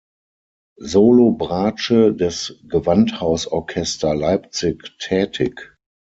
Solo-Bratsche des Gewandhausorchester Leipzig tätig.